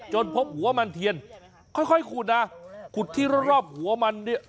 พบหัวมันเทียนค่อยขุดนะขุดที่รอบหัวมันเนี่ย